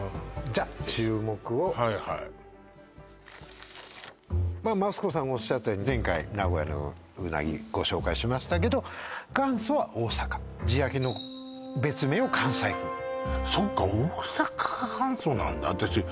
じゃあ注目をはいはいまあマツコさんがおっしゃってたように前回名古屋のうなぎご紹介しましたけど元祖は大阪地焼きの別名を関西風そっか大阪が元祖なんだ私